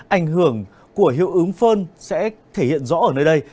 ảnh hưởng của hiệu ứng phơn sẽ thể hiện rõ ở nơi đây